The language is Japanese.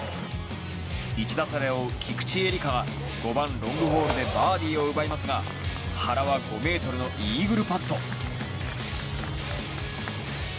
１打差で追う菊地絵理香が５番、ロングホールでバーディーを奪いますが原は５ｍのイーグルパット。